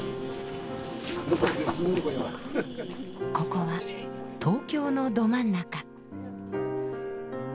ここは東京のど真ん中。